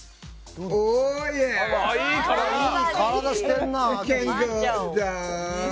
いい体してるな。